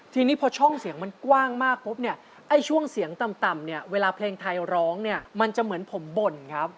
ทีนี้พอช่องเสียงมันกว้างมากปุ๊บเนี่ยไอ้ช่วงเสียงต่ำเนี่ยเวลาเพลงไทยร้องเนี่ยมันจะเหมือนผมบ่นครับ